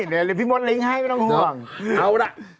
เดี๋ยวพี่มดลิงกให้ไม่ต้องห่วงเอาล่ะ